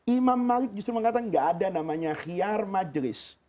imam malik justru mengatakan gak ada namanya khiyar majlis